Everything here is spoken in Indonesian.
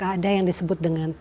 ada yang disebut dengan